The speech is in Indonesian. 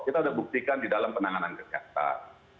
kita sudah buktikan di dalam penanganan kesehatan